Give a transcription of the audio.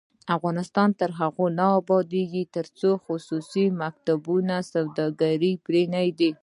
افغانستان تر هغو نه ابادیږي، ترڅو خصوصي مکتبونه سوداګري پریږدي.